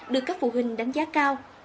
được các phụ huynh đánh giá cao